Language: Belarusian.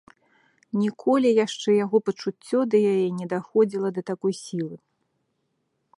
Ніколі яшчэ яго пачуццё да яе не даходзіла да такой сілы.